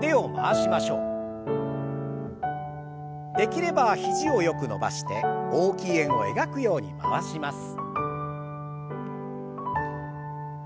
できれば肘をよく伸ばして大きい円を描くように回します。